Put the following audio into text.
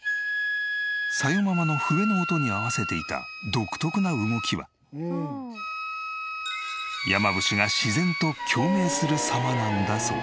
紗代ママの笛の音に合わせていた独特な動きは山伏が自然と共鳴する様なんだそう。